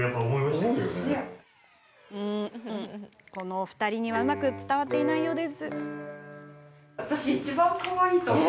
お二人にはうまく伝わっていないようです。